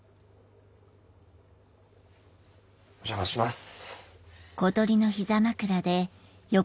お邪魔します。